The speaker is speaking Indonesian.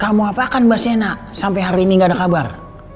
kamu apa kan mba sienna sampai hari ini ga ada kabar